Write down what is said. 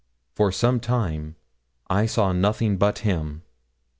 For some time I saw nothing but him.